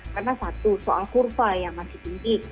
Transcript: karena satu soal kurva yang masih tinggi